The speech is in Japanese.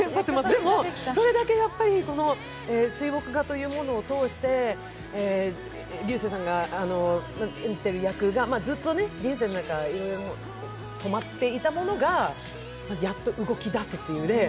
でもそれだけ水墨画というものを通して流星さんが演じてる役が、ずっと人生の中いろいろ止まっていたものがやっと動き出すという。